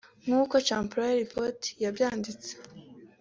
nk’uko Chimpreports yabyanditse